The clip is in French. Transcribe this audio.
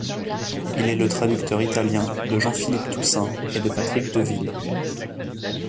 Il est le traducteur italien de Jean-Philippe Toussaint et de Patrick Deville.